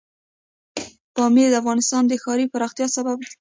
پامیر د افغانستان د ښاري پراختیا سبب کېږي.